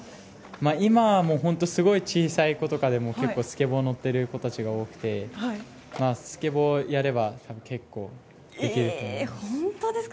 今もすごい小さい子とかでも結構スケボー乗ってる子たちが多くてスケボーをやれば結構本当ですか？